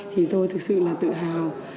thì tôi thực sự là tự hào